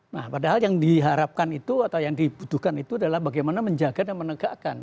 nah padahal yang diharapkan itu atau yang dibutuhkan itu adalah bagaimana menjaga dan menegakkan